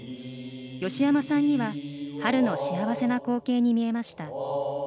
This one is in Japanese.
芳山さんには春の幸せな光景に見えました。